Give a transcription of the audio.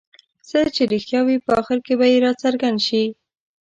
څه چې رښتیا وي په اخر کې به یې راڅرګند شي.